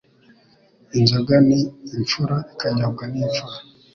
Inzoga ni imfura ikanyobwa n’imfura